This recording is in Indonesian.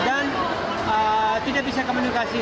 dan tidak bisa komunikasi